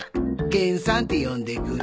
玄さんって呼んでくれ。